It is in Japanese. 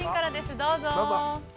どうぞ。